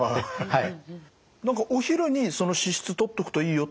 はい。